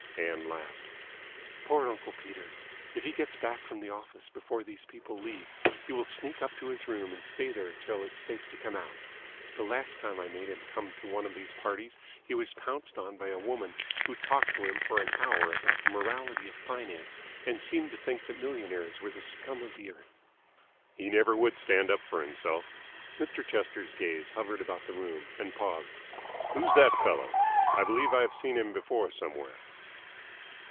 Ann laughed. "Poor uncle Peter! If he gets back from the office before these people leave, he will sneak up to his room and stay there till it's safe to come out. The last time I made him come to one of these parties he was pounced on by a woman who talked to him for an hour about the morality of Finance and seemed to think that millionaires were the scum of the earth." "He never would stand up for himself." Mr. Chester's gaze hovered about the room, and paused. "Who's that fellow? I believe I've seen him before somewhere."